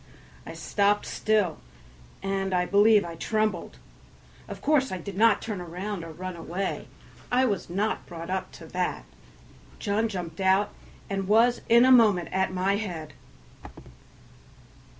I stopped still, and I believe I trembled; of course I did not turn round or run away; I was not brought up to that. John jumped out and was in a moment at my head.